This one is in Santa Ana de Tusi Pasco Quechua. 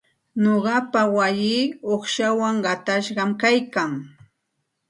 Nuqapa wayii uqshawan qatashqam kaykan.